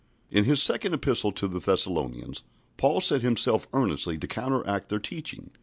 In his second Epistle to the Thessalonians Paul set himself earnestly to counteract their teaching.